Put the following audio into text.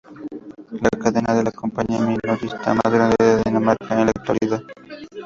La cadena es la compañía minorista más grande de Dinamarca en la actualidad.